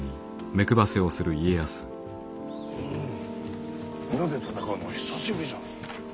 うん皆で戦うのは久しぶりじゃの。